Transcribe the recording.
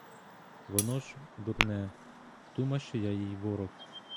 Воно ж, дурне, дума, що я їй ворог!